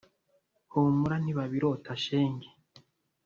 humura ntibabirota shenge